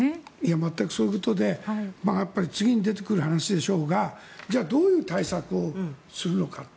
全くそういうことで次に出てくる話でしょうがじゃあどういう対策をするのかって。